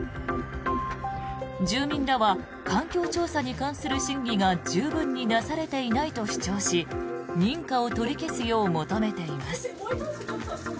住民らは環境調査に関する審議が十分になされていないと主張し認可を取り消すよう求めています。